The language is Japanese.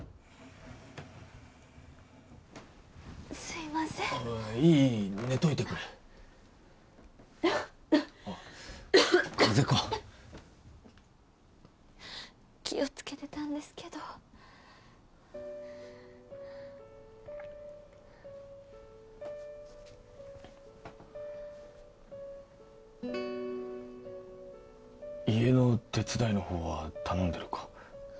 すいませんいい寝といてくれカゼか気をつけてたんですけど家の手伝いのほうは頼んでるか？